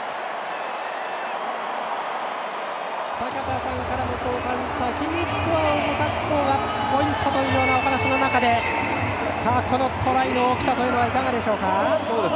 坂田さんからも後半先にスコアを動かすことがポイントというお話の中でこのトライの大きさいかがでしょうか？